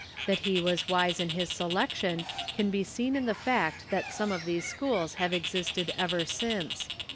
That he was wise in his selection can be seen in the fact that some of these schools have existed ever since.